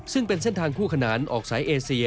ซึ่งเป็นเส้นทางคู่ขนานออกสายเอเซีย